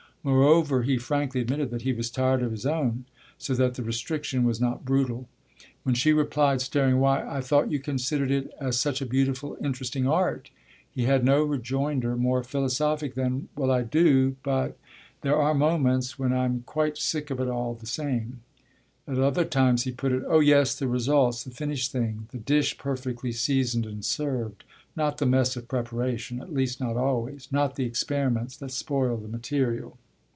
Moreover, he frankly admitted that he was tired of his own, so that the restriction was not brutal. When she replied, staring, "Why, I thought you considered it as such a beautiful, interesting art!" he had no rejoinder more philosophic than "Well, I do; but there are moments when I'm quite sick of it all the same," At other times he put it: "Oh yes, the results, the finished thing, the dish perfectly seasoned and served: not the mess of preparation at least not always not the experiments that spoil the material."